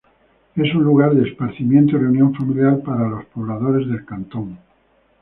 Es un lugar de esparcimiento y reunión familiar para los pobladores del cantón.